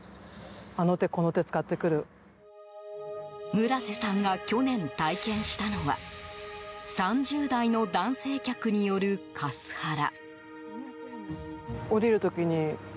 村瀬さんが去年、体験したのは３０代の男性客によるカスハラ。